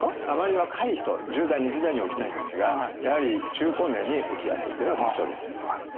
あまり若い人１０代２０代には起きないんですがやはり中高年に起きやすいっていうのが特徴です。